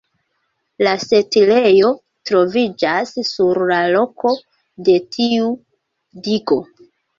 La setlejo troviĝas sur la loko de tiu digo.